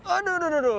aduh aduh aduh